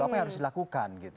apa yang harus dilakukan gitu